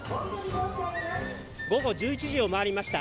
午後１１時を回りました。